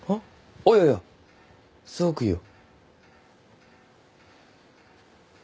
あっいやいやすごくいいよ。